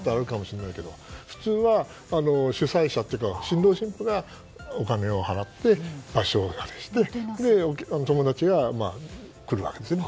普通は主催者というか新郎新婦がお金を払って場所を借りて友達が来るわけですね。